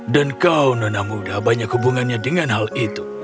dan kau nona muda banyak hubungannya dengan hal itu